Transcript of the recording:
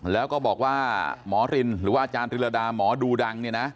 แล้วก็บอกว่าหมอรินหรือว่าอาจารย์ฤรฑาหมอดูดัง